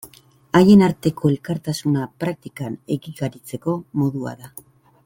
Haien arteko elkartasuna praktikan egikaritzeko modua da.